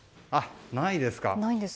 ないですか。